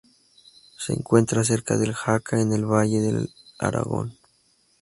Se encuentra cerca de Jaca en el Valle del Aragón.